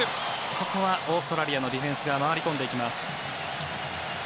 ここはオーストラリアのディフェンスが回り込んでいきます。